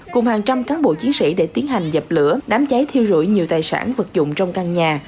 cùng hàng trăm cán bộ chiến sĩ để tiến hành dập lửa đám cháy thiêu rụi nhiều tài sản vật dụng trong căn nhà